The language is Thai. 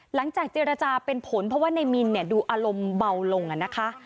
หลังจากเจรจาเป็นผลเพราะว่าในมินดูอารมณ์เบาลงนะคะ